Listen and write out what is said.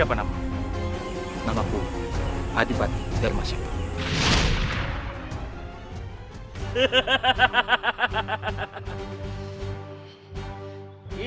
biar saya saja mereka pergi